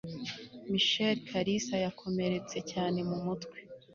michael kalisa, yakomeretse cyane mu mutwe